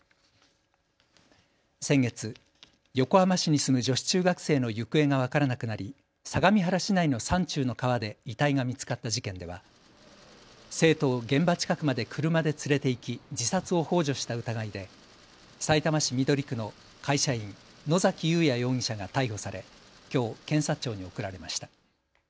先月、横浜市に住む女子中学生の行方が分からなくなり相模原市内の山中の川で遺体が見つかった事件では生徒を現場近くまで車で連れて行き自殺をほう助した疑いでさいたま市緑区の会社員、野崎祐也容疑者が逮捕されきょう検察庁に送られました。